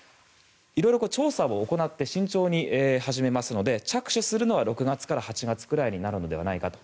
色々、調査を行って慎重に始めますので着手するのは６月から８月くらいになるのではないかと。